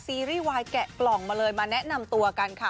ซีรีส์วายแกะกล่องมาเลยมาแนะนำตัวกันค่ะ